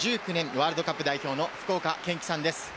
ワールドカップ代表の福岡堅樹さんです。